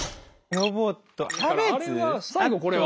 最後これは。